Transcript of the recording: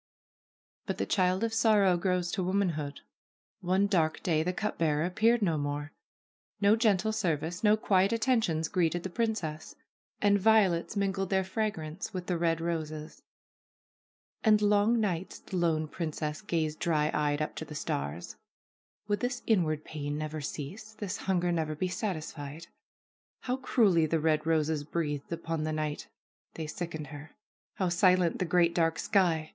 But the child of sorrow grows to womanhood. One dark day the cup bearer appeared no more. No gentle service, no quiet attentions greeted the princess. And violets mingled their fragrance with the red roses. And long nights the lone princess gazed dry eyed up to the stars. Would this inward pain never cease, this hunger never be satisfied? How cruelly the red roses breathed upon the night! They sickened her. How silent the great, dark sky